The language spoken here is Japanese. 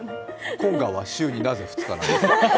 コンガは週になぜ２日なんですか？